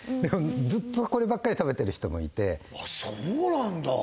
ずっとこればっかり食べてる人もいてそうなんだ